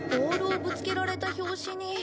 ボールをぶつけられた拍子に。